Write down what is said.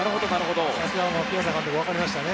さすが、ピアザ監督分かりましたね。